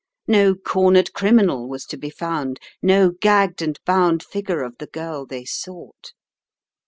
No cornered criminal was to be found; no gagged and bound figure of the girl they sought.